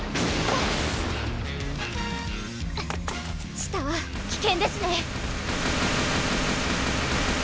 下は危険ですね！